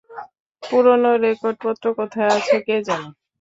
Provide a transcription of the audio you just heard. পুরানো রেকর্ডপত্র কোথায় আছে কে জানে।